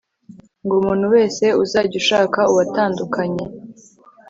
ngo umuntu wese uzajya ashaka uwatandukanye